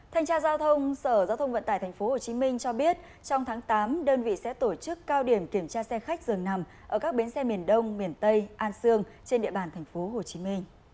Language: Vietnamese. thanh tra giao thông sở giao thông vận tải tp hcm cho biết trong tháng tám đơn vị sẽ tổ chức cao điểm kiểm tra xe khách dường nằm ở các bến xe miền đông miền tây an sương trên địa bàn tp hcm